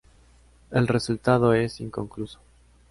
El resultado es inconcluso.